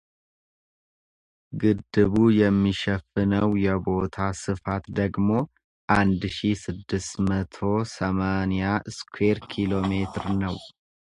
ግድቡ የሚሸፍነው የቦታ ስፋት ደግሞ አንድ ሺህ ስድስት መቶ ሰማኒያ ስኩዌር ኪሎ ሜትር ነው።